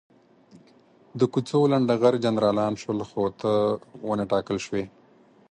د کوڅو لنډه غر جنرالان شول، خو ته ونه ټاکل شوې.